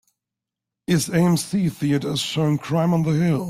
Is AMC Theaters showing Crime on the Hill?